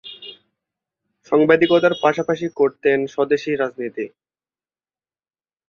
সাংবাদিকতার পাশাপাশি করতেন স্বদেশী রাজনীতি।